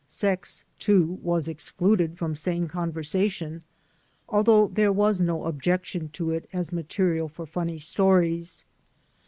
Sex, too, was excluded from sane conversation, although there was no objection to it as material for funny stories.